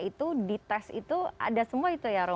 itu di tes itu ada semua itu ya romo